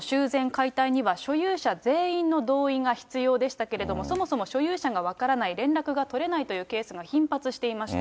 ・解体には、所有者全員の同意が必要でしたけれども、そもそも所有者が分からない、連絡が取れないというケースが頻発していました。